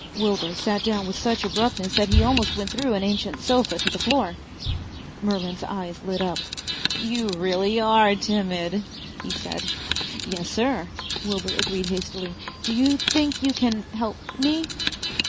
Wilbur sat down with such abruptness that he almost went through an ancient sofa to the floor. Merlin's eyes lit up. "You really are timid," he said. "Yes, sir," Wilbur agreed hastily. "Do you think you can help me?"